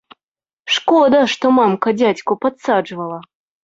Шкода, што мамка дзядзьку падсаджвала!